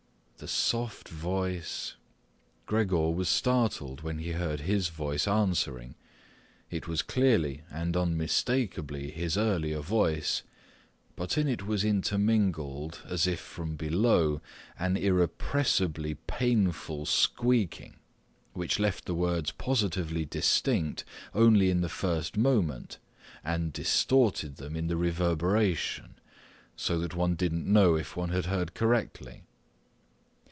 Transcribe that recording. The soft voice! Gregor was startled when he heard his voice answering. It was clearly and unmistakably his earlier voice, but in it was intermingled, as if from below, an irrepressibly painful squeaking, which left the words positively distinct only in the first moment and distorted them in the reverberation, so that one didn't know if one had heard correctly.